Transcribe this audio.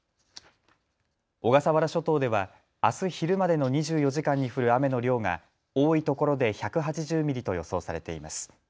小笠原諸島ではあす昼までの２４時間に降る雨の量が多いところで１８０ミリと予想されています。